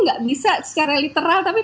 nggak bisa secara literal tapi